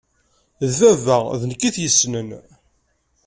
D baba d nekk i t-yessnen.